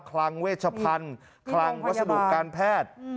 คลังเวชพันธุ์คลังวัสดุการแพทย์